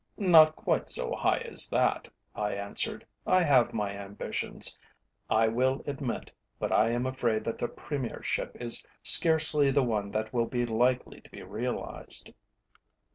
"Not quite so high as that," I answered. "I have my ambitions, I will admit, but I am afraid that the Premiership is scarcely the one that will be likely to be realised."